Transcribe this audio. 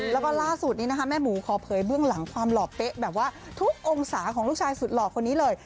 แล้วก็ล่าสุดนี้นะคะแม่หมูขอเผยเบื้องหลังความหล่อเป๊ะแบบว่าทุกองศาของลูกชายสุดหล่อคนนี้เลย